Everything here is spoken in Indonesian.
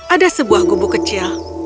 ada sebuah gubuk kecil